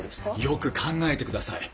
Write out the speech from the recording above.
よく考えてください。